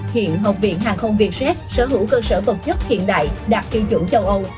hiện học viện hàng không vietjet sở hữu cơ sở vật chất hiện đại đạt tiêu chuẩn châu âu